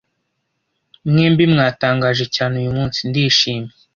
Mwembi mwatangaje cyane uyumunsi. Ndishimye.